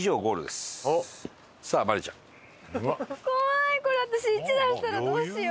怖いこれ私１出したらどうしよう。